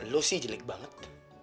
lo sih jelek banget